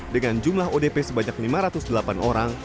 dengan jumlah odp sebanyak lima ratus delapan orang